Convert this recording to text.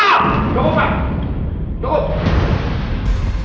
cukup pak cukup